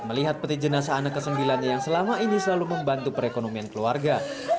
melihat peti jenasa anak kesembilannya yang selama ini selalu membantu perekonomian keluarga